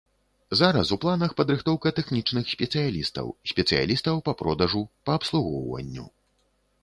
Зараз у планах падрыхтоўка тэхнічных спецыялістаў, спецыялістаў па продажу, па абслугоўванню.